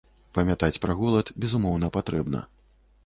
Памятаць пра голад, безумоўна, патрэбна.